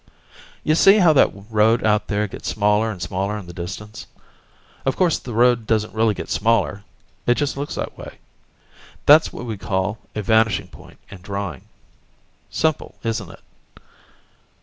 Ya see how that road out there gets smaller and smaller in the distance? Of course the road doesn't really get smaller it just looks that way. That's what we call a vanishing point in drawing. Simple, isn't it?